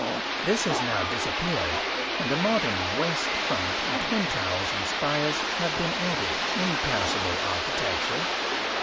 This has now disappeared, and a modern west front and twin towers and spires have been added, in passable architecture.